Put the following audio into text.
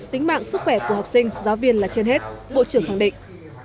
tính mạng sức khỏe của học sinh giáo viên là trên hết bộ trưởng khẳng định